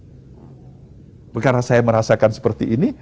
karena saya merasakan seperti ini